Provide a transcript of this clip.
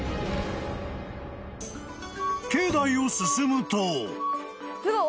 ［境内を進むと］